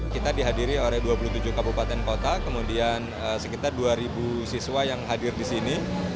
kita dihadiri oleh dua puluh tujuh kabupaten kota kemudian sekitar dua siswa yang hadir di sini